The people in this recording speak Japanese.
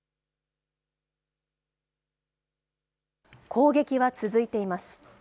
攻撃は続いています。